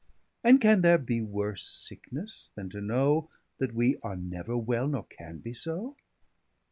And can there bee worse sicknesse, then to know That we are never well, nor can be so?